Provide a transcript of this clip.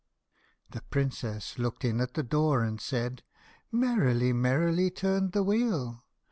" The Princess looked in at the door and said Merrily, merrily turned the wheel